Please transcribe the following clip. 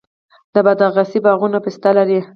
د بادغیس باغونه پسته لري.